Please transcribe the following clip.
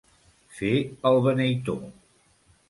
Fer el beneitó.